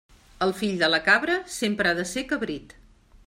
El fill de la cabra sempre ha de ser cabrit.